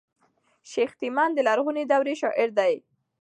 شېخ تیمن د لرغوني دورې شاعر دﺉ.